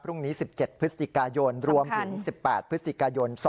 พรุ่งนี้๑๗พฤศจิกายนรวมถึง๑๘พฤศจิกายน